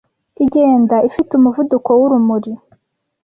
igenda ifite umuvuduko wurumuri,